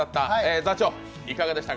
座長、いかがでしたか？